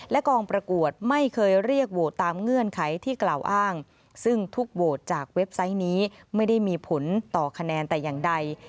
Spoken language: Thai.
และกองประกวดไม่เคยเรียกโหวตตามเงื่อนไขที่กล่าวอ้างซึ่งทุกโหวตจากเว็บไซต์นี้ไม่ได้มีผลต่อคะแนนแต่อย่างใด